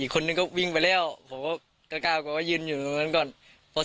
คนหนึ่งก็วิ่งไปแล้วของก็กล้ากล้ากล่วงยืนอยู่วิ่งนั้นก่อนส